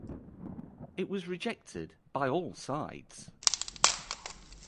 It was rejected by all sides.